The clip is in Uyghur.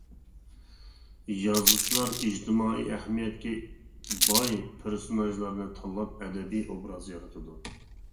يازغۇچىلار ئىجتىمائىي ئەھمىيەتكە باي پېرسوناژلارنى تاللاپ ئەدەبىي ئوبراز يارىتىدۇ.